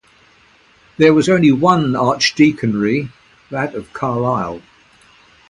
There was only one archdeaconry, that of Carlisle.